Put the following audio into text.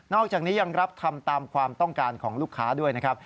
อกจากนี้ยังรับทำตามความต้องการของลูกค้าด้วยนะครับ